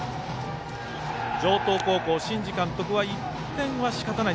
城東高校、新治監督は１点はしかたない。